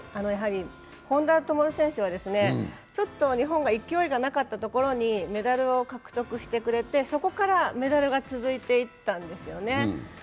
本多灯選手は、ちょっと日本が勢いがなかったところにメダルを獲得してくれて、そこからメダルが続いていったんですよね。